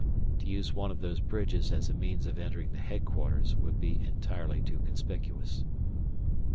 To use one of those bridges as a means of entering the headquarters would be entirely too conspicuous.